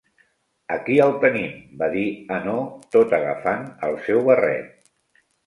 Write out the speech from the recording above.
"Aquí el tenim", va dir Hanaud, tot agafant el seu barret.